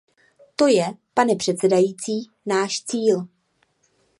To je, pane předsedající, náš cíl.